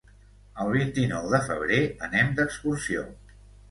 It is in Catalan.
El vint-i-nou de febrer anem d'excursió.